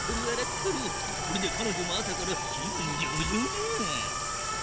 これでかのじょも朝から気分上々じゃ。